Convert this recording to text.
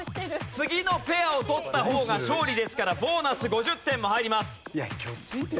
次のペアを取った方が勝利ですからボーナス５０点も入ります。